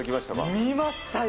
見ましたよ。